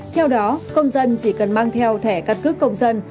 theo đó công dân chỉ cần mang theo thẻ căn cước công dân